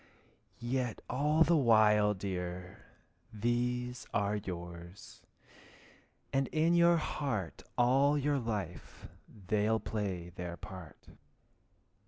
yet all the while, dear, These are yours, and in your heart All your life they'll play their part.